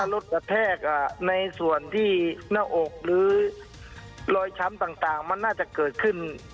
รถกระแทกในส่วนที่หน้าอกหรือรอยช้ำต่างมันน่าจะเกิดขึ้น